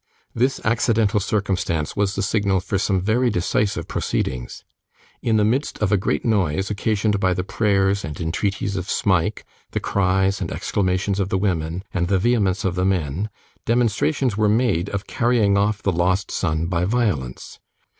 This accidental circumstance was the signal for some very decisive proceedings. In the midst of a great noise, occasioned by the prayers and entreaties of Smike, the cries and exclamations of the women, and the vehemence of the men, demonstrations were made of carrying off the lost son by violence.